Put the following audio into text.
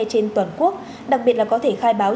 trên toàn quốc đặc biệt là có thể khai báo